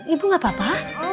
ibu gak apa apa